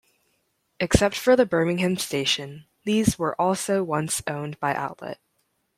Except for the Birmingham station, these were also once owned by Outlet.